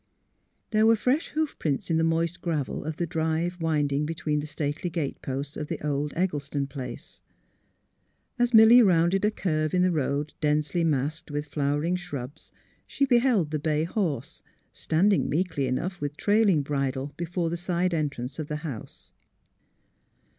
There were fresh hoof prints in the moist gravel of the drive winding between the stately gate posts of the old Eggleston place. As Milly rounded a curve in the road densely masked with flowering shrubs she beheld the bay horse, stand ing meekly enough with trailing bridle before the side entrance of the house.